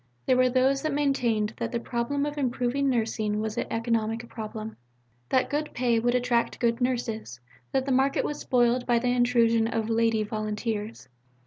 There were those who maintained that the problem of improving Nursing was an economic problem; that good pay would attract good nurses; that the market was spoiled by the intrusion of "lady" volunteers.